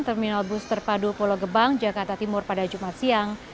terminal bus terpadu pulau gebang jakarta timur pada jumat siang